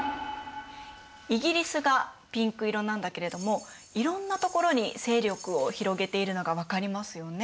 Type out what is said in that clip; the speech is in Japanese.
イギリスがピンク色なんだけれどもいろんなところに勢力を広げているのが分かりますよね。